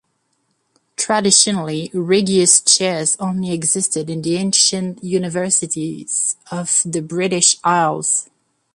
Traditionally, Regius chairs only existed in the ancient universities of the British Isles.